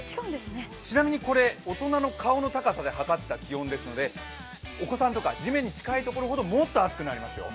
ちなみに、大人の顔の高さで測った気温なのでお子さんとか地面に近いほどもっと暑くなりますよ。